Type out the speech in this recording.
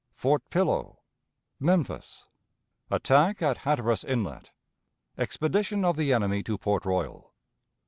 Fort Pillow. Memphis. Attack at Hatteras Inlet. Expedition of the Enemy to Port Royal.